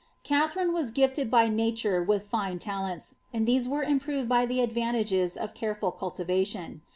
Katharine was gifted by nature with fine talents, and these were im proved by the advantages of careful cultivation.